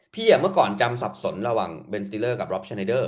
พี่อ่ะเมื่อก่อนจำสับสนระหว่างเบนสตีลเลอร์กับล็อปชะนัยเดอร์